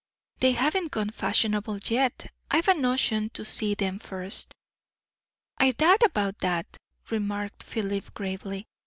"They haven't got fashionable yet. I've a notion to see 'em first." "I doubt about that," remarked Philip gravely.